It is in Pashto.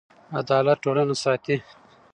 عدالت ټولنه ساتي.